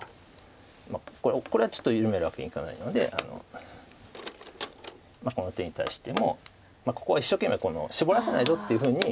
これはちょっと緩めるわけにはいかないのでこの手に対してもここは一生懸命シボらせないぞっていうふうに。